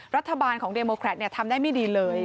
รัฐบาลของเดโมแครตทำได้ไม่ดีเลย